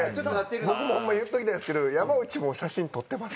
僕もホンマ言っときたいんですけど山内も写真撮ってます。